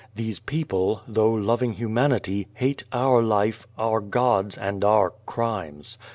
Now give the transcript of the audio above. These people, though lov ing humanity, hate our life, our gods, and our crimes.